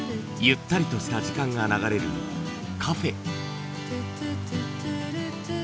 ゆったりとした時間が流れるカフェ。